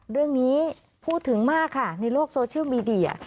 เรื่องนี้พูดถึงมากค่ะในโลกโซเชียลมีเดีย